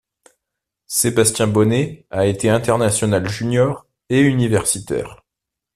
Sébastien Bonnet a été international junior et universitaire.